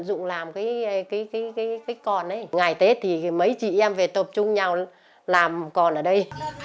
tận dụng làm cái còn ấy ngày tết thì mấy chị em phải tập trung nhau làm còn ở đây